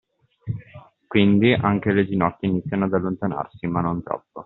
Quindi anche le ginocchia iniziano ad allontanarsi, ma non troppo.